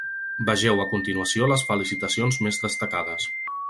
Vegeu a continuació les felicitacions més destacades.